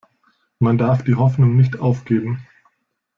Man darf die Hoffnung nicht aufgeben.